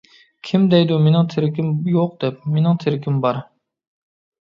كىم دەيدۇ مېنىڭ تىرىكىم يوق دەپ؟ ؟ مېنىڭ تىرىكىم بار.